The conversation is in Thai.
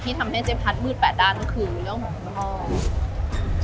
ที่ทำให้เจ๊พัดมืดแปดด้านก็คือเรื่องหมองตะวน